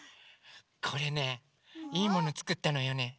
これねいいものつくったのよね。